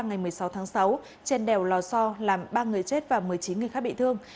ngày một mươi sáu tháng sáu trên đèo lò so làm ba người chết và một mươi chín người khác bị thương